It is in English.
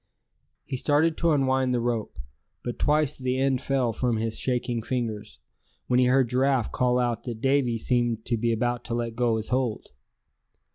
He started to unwind the rope, but twice the end fell from his shaking fingers, when he heard Giraffe call out that Davy seemed to be about to let go his hold.